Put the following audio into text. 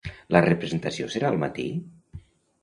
La representació serà al matí?